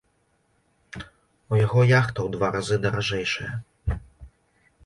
У яго яхта ў два разы даражэйшая.